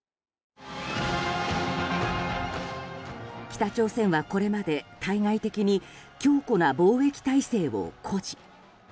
北朝鮮はこれまで対外的に強固な防疫体制を誇示。